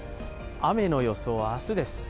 雨の予想、明日です。